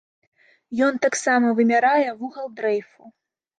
Ён таксама вымярае вугал дрэйфу.